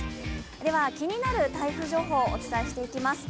では気になる台風情報をお伝えしていきます。